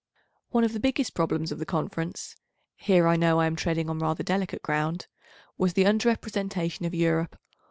One of the biggest problems of the Conference—here I know I am treading on rather delicate ground—was the under representation of Europe.